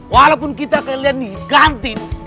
walaupun kita kalian nih kantin